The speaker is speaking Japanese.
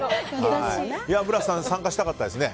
ブラスさん参加したかったですね。